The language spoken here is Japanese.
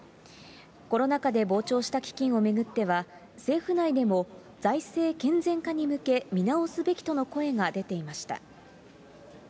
コロナ禍で膨張した基金を巡っては、政府内でも財政健全化に向け見直すべきとの声が出ていました。